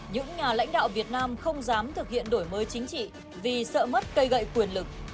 những nhà lãnh đạo việt nam không dám thực hiện đổi mới chính trị vì sợ mất cây gậy quyền lực